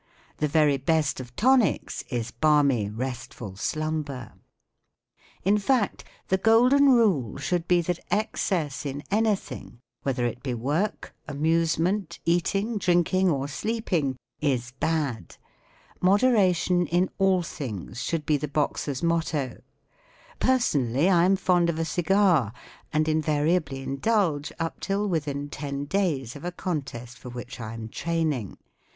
The very best of tonics is balmy, restful slumber. In fact, ttft golden ruie should be that excess i¬´ WO^^ICtHteANork. amuse meat* “HOW I KEEP FIT.” eating, drinking* or sleeping, is bad. Modera¬ tion in all things should be the boxer's motto* Personally, I am fond of a cigar, and invariably indulge up till within ten days' of a contest for which I am training.